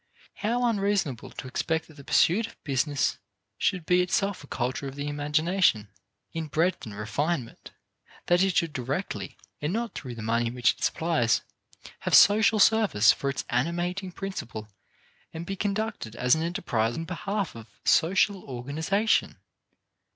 How unreasonable to expect that the pursuit of business should be itself a culture of the imagination, in breadth and refinement; that it should directly, and not through the money which it supplies, have social service for its animating principle and be conducted as an enterprise in behalf of social organization!